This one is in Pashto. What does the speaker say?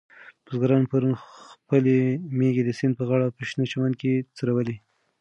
بزګرانو پرون خپلې مېږې د سیند په غاړه په شنه چمن کې څرولې وې.